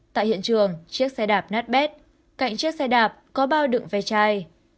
tại hiện trường chiếc xe đạp nát bét cạnh chiếc xe đạp có bao đựng ve chai